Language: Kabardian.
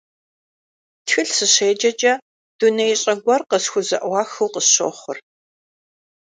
Тхылъ сыщеджэкӀэ, дунеищӀэ гуэр къысхузэӀуахыу къысщохъур.